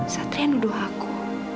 satria nuduh aku